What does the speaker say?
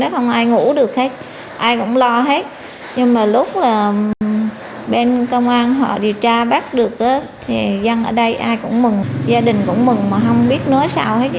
không ai ngủ được hết ai cũng lo hết nhưng mà lúc là bên công an họ điều tra bắt được thì dân ở đây ai cũng mừng gia đình cũng mừng mà không biết nói sao hết gì